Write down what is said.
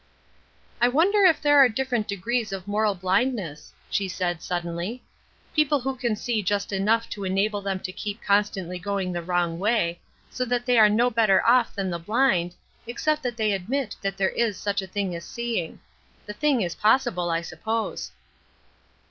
"I wonder if there are different degrees of moral blindness?" she said, suddenly. "People who can see just enough to enable them to keep constantly going the wrong way, so that they are no better off than the blind, except that they admit that there is such a thing as seeing. The thing is possible, I suppose."